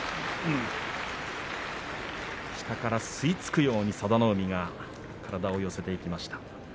下から吸いつくように佐田の海体を寄せていきました。